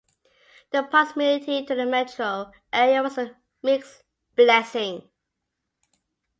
The proximity to the metro area was a mixed blessing.